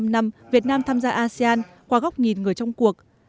hai mươi năm năm việt nam tham gia asean qua góc nghìn người trong cuộc